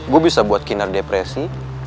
gue bisa buat kinar depresi